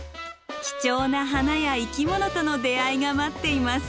貴重な花や生き物との出会いが待っています。